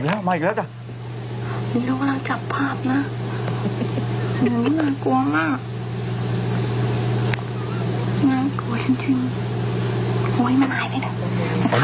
หรือจะเป็นนั่นไหม